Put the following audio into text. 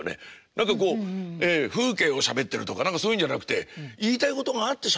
何かこう風景をしゃべってるとか何かそういうんじゃなくて言いたいことがあってしゃべってんだ。